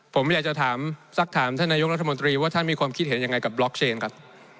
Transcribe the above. ผมอยากจะถามสักถามท่านนายกรัฐมนตรีว่าท่านมีความคิดเห็นยังไงกับบล็อกเชนครับ